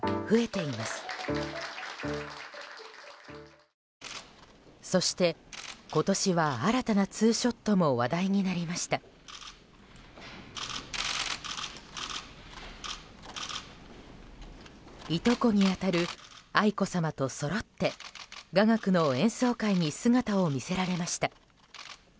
いとこに当たる愛子さまとそろって雅楽の演奏会に姿を見せられました。